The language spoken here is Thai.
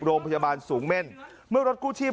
โรงพยาบาลสูงเม่นเมื่อรถกู้ชีพ